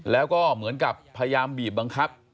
แล้วก็เหมือนกับพยายามบีบบังคับ